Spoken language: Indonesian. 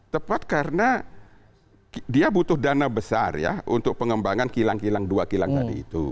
tepat karena dia butuh dana besar ya untuk pengembangan kilang kilang dua kilang tadi itu